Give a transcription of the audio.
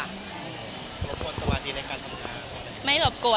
มอยกว้นสวัสดีและการทำงานแล้ว